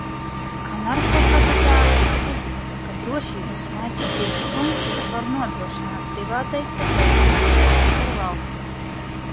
Anarhokapitālisti uzskata, ka drošības un aizsardzības funkcijas var nodrošināt privātais sektors efektīvāk par valsti.